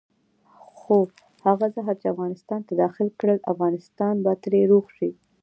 خو هغه زهر چې افغانستان ته داخل کړل افغانستان به ترې روغ شي.